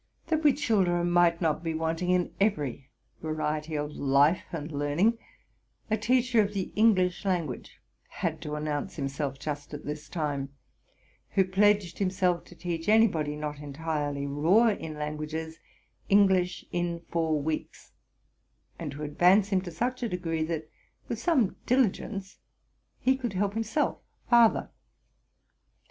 That we children might not be wanting in every variety of life and learning, a teacher of the English language had to announce himself just at this time, who pledged himself to teach anybody not entirely raw in languages, English in four weeks, and to advance him to such a degree, that, with some diligence, he could help himself farther.